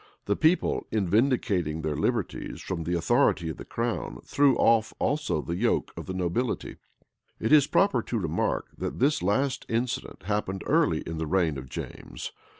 [*] The people, in vindicating their liberties from the authority of the crown, threw off also the yoke of the nobility. It is proper to remark that this last incident happened early in the reign of James.